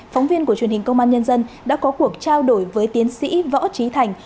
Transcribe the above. phóng viên của truyền hình công an nhân dân đã có cuộc trao đổi với tiến sĩ võ trí thành